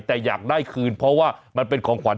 แต่อยากได้คืนเพราะว่ามันเป็นของขวัญ